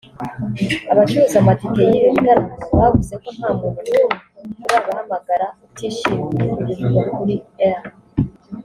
Abacuruza amatike y’ibi bitaramo bavuze ko nta muntu n’umwe urabahamagara utishimiye ibivugwa kuri R